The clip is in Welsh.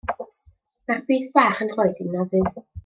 Mae bys bach 'yn nhroed i'n 'nafu.